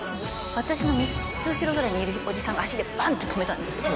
私の３つ後ろぐらいにいるおじさんが足でバンって止めたんですよ。